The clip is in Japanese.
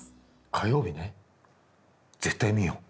火曜日ね絶対見よう。